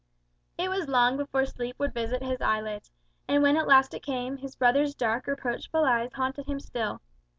It was long before sleep would visit his eyelids; and when at last it came, his brother's dark reproachful eyes haunted him still.